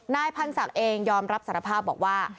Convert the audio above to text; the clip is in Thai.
นายพันธ์ศักดิ์เองยอมรับสารภาพบอกว่า